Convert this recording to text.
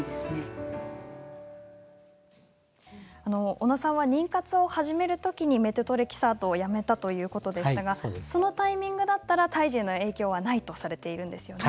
小野さんは妊活を始めるときにメトトレキサートをやめたということでしたがそのタイミングだったら胎児への影響はないとされているんですよね？